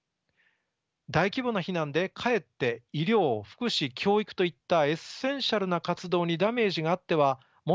「大規模な避難でかえって医療福祉教育といったエッセンシャルな活動にダメージがあっては元も子もない」。